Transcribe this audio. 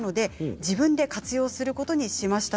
自分で活用することにしました。